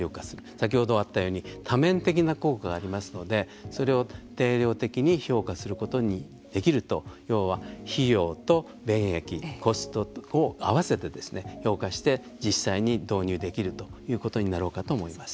先ほどあったように多面的な効果がありますのでそれを定量的に評価することにできると要は費用と便益コスト、合わせて評価して実際に導入できるということになろうかと思います。